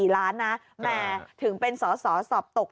๔ล้านนะแหมถึงเป็นสอสอสอบตก